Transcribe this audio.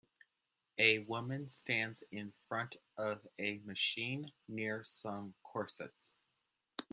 A woman stands in front of a machine near some corsets.